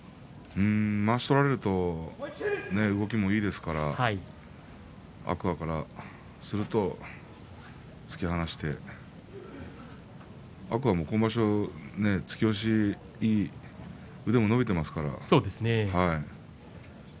まわしを取られると動きがいいですから天空海からすると突き放して天空海も今場所は突き押しがいいですから腕も伸びていますからね。